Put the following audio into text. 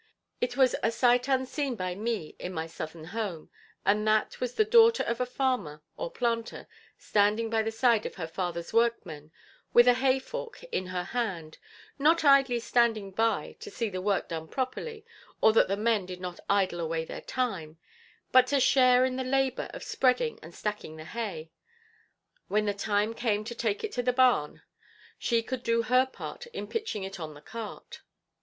It was a sight unseen by me in my southern home; and that was the daughter of a farmer or planter standing by the side of her father's workmen with a hay fork in her hand, not idly standing by to see the work done properly, or that the men did not idle away their time, but to share in the labor of spreading and stacking the hay. When the time came to take it to the barn, she could do her part in pitching it on the cart.